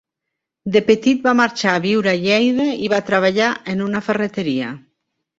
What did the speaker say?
De petit va marxar a viure a Lleida i va treballar en una ferreteria.